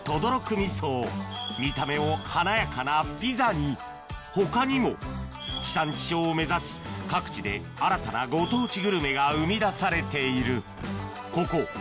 みそを見た目も華やかなピザに他にも地産地消を目指し各地で新たなご当地グルメが生み出されている